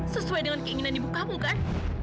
sesuai dengan keinginan ibu kamu kan